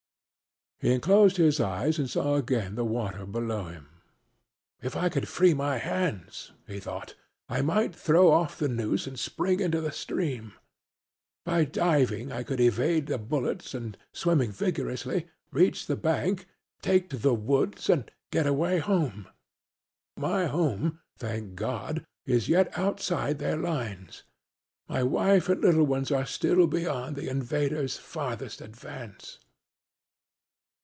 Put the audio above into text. He unclosed his eyes and saw again the water below him. "If I could free my hands," he thought, "I might throw off the noose and spring into the stream. By diving I could evade the bullets and, swimming vigorously, reach the bank, take to the woods and get away home. My home, thank God, is as yet outside their lines; my wife and little ones are still beyond the invader's farthest advance."